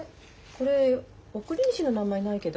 これ送り主の名前ないけど。